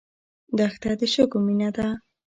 دښته د شګو مینه ده.